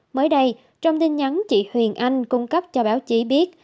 mới đây trong tin nhắn chị huyền anh cung cấp cho báo chí biết